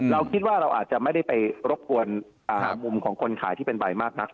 เราคิดว่าเราอาจจะไม่ได้ไปรบกวนมุมของคนขายที่เป็นใบมากนัก